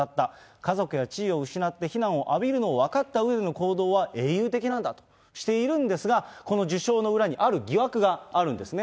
家族や地位を失って、非難を浴びるのを分かったうえでの行動は、英雄的なんだとしているんですが、この受賞の裏に、ある疑惑があるんですね。